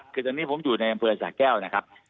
คือที่นี่ผมอยู่ในบริเวณสระแก้วนะครับ